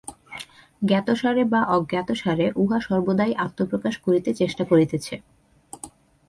জ্ঞাতসারে বা অজ্ঞাতসারে উহা সর্বদাই আত্মপ্রকাশ করিতে চেষ্টা করিতেছে।